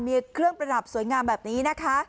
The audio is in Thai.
มีเครื่องประดับสวยงามแบบนี้นะคะ